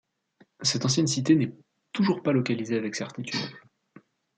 Cette ancienne cité n'est toujours pas localisée avec certitude.